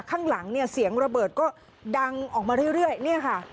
ข้างหลังเนี่ยเสียงระเบิดก็ดังออกมาเรื่อยเนี่ยค่ะ